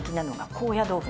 高野豆腐？